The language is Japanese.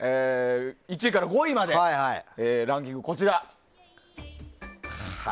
１位から５位までのランキング、こちら。